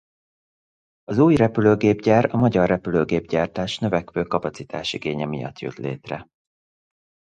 Az új repülőgépgyár a magyar repülőgépgyártás növekvő kapacitás-igénye miatt jött létre.